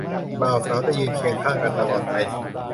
บ่าวสาวจะยืนเคียงข้างกันตลอดไป